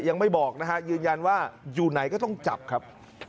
ยังไม่บอกนะฮะยืนยันว่าอยู่ไหนก็ต้องจับครับ